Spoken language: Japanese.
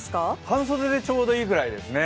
半袖でちょうどいいくらいですね。